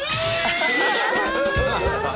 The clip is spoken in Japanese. ハハハハ。